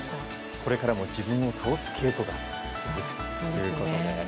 これからも自分を倒す稽古を続けていくということで。